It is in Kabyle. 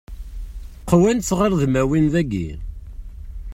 Qwant tɣirdmiwin dagi.